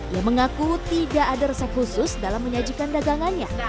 ia mengaku tidak ada resep khusus dalam menyajikan dagangannya